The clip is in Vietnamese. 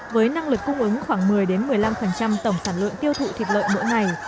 với năng lực cung ứng khoảng một mươi một mươi năm tổng sản lượng tiêu thụ thịt lợn mỗi ngày